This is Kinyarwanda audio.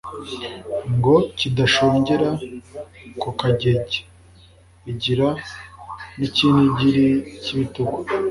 Ngo kidashongera ku kagege. Igira n' icyinigiri cy' ibitugu,